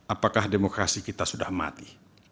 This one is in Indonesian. apakah demokrasi kita sudah mati